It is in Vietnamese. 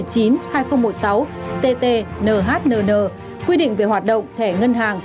của thông tư số một mươi chín hai nghìn một mươi sáu tt nhnn quy định về hoạt động thẻ ngân hàng